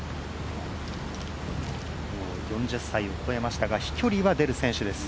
４０歳を超えましたが、飛距離は出る選手です。